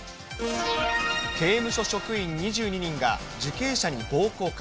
刑務所職員２２人が受刑者に暴行か。